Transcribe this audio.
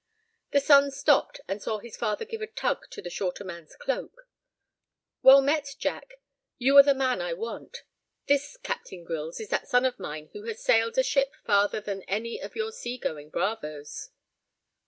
The son stopped, and saw his father give a tug to the shorter man's cloak. "Well met, Jack; you are the man I want. This, Captain Grylls, is that son of mine who has sailed a ship farther than any of your sea going bravoes."